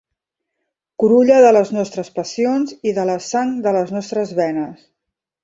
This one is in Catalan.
Curulla de les nostres passions i de la sang de les nostres venes.